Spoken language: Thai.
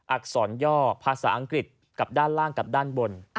อักษรย่อภาษาอังกฤษกับด้านล่างกับด้านบน